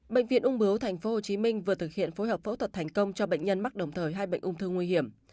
bệnh viện ung bướu tp hcm vừa thực hiện phối hợp phẫu thuật thành công cho bệnh nhân mắc đồng thời hai bệnh ung thư nguy hiểm